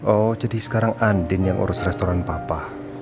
oh jadi sekarang andin yang urus restoran papa